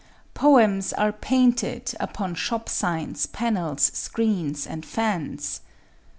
Poems are painted upon shop signs, panels, screens, and fans.